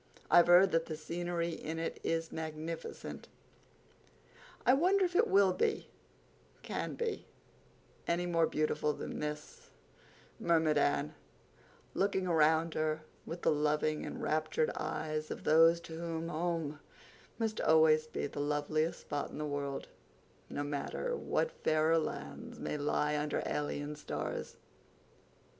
I've heard that the scenery in it is magnificent." "I wonder if it will be—can be—any more beautiful than this," murmured Anne, looking around her with the loving, enraptured eyes of those to whom "home" must always be the loveliest spot in the world, no matter what fairer lands may lie under alien stars.